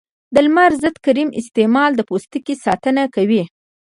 د لمر ضد کریم استعمال د پوستکي ساتنه کوي.